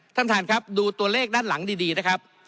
ท่านท่านครับดูตัวเลขด้านหลังดีนะครับ